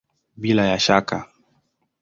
Bila ya shaka!